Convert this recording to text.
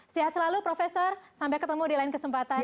terima kasih selalu profesor sampai ketemu di lain kesempatan